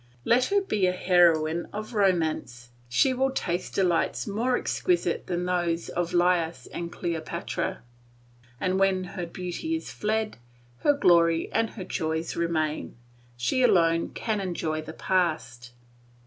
Let her be a heroine of romance; she will taste delights more exquisite than those of Lais and Cleopatra; and when her beauty is fled, her glory and her joys remain; she alone can enjoy the past.